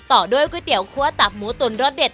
ต่อด้วยก๋วยเตี๋ยวคั่วตับหมูตุ๋นรสเด็ด